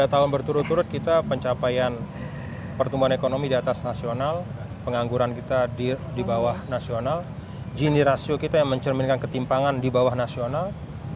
tiga tahun berturut turut kita pencapaian pertumbuhan ekonomi di atas nasional pengangguran kita di bawah nasional gini rasio kita yang mencerminkan ketimpangan di bawah nasional